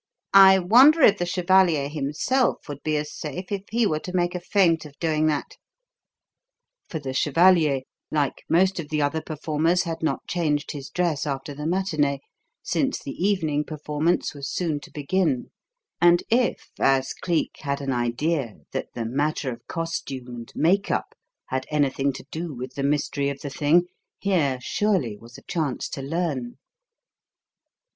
"I wonder if the chevalier himself would be as safe if he were to make a feint of doing that?" For the chevalier, like most of the other performers, had not changed his dress after the matinee, since the evening performance was soon to begin; and if, as Cleek had an idea, that the matter of costume and make up had anything to do with the mystery of the thing, here, surely, was a chance to learn.